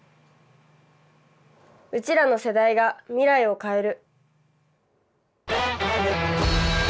うちらの世代が未来を変える。